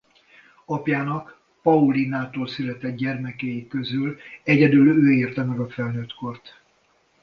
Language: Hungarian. Apjának Paulinától született gyermekei közül egyedül ő érte meg a felnőtt kort.